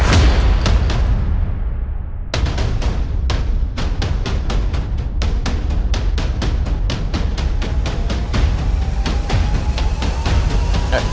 suara siapa itu